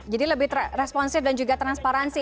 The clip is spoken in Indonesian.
jadi lebih responsif dan juga transparansi